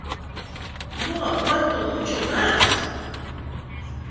¡ No aguanto mucho más!